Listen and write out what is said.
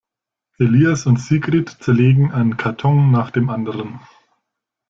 Elias und Sigrid zerlegen einen Karton nach dem anderen.